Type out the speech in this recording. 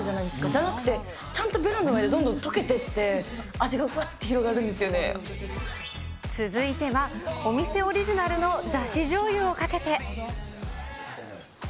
じゃなくて、ちゃんとべろの上でどんどん溶けていって、味がふわ続いては、お店オリジナルのだしじょうゆをかけて。